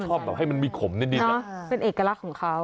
แบบให้มันมีขมนิดเป็นเอกลักษณ์ของเขา